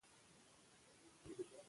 افغاني زلمیان سرونه پر میدان ږدي.